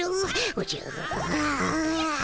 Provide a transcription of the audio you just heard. おじゃあ。